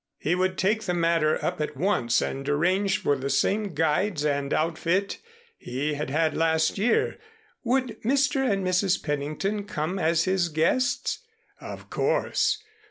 He would take the matter up at once and arrange for the same guides and outfit he had had last year. Would Mr. and Mrs. Pennington come as his guests? Of course.